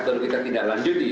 kalau kita tidak lanjuti